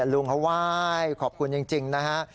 ลุงเขาไหว้ขอบคุณจริงนะฮะ